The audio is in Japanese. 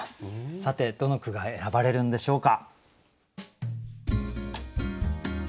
さてどの句が選ばれるんでしょうか。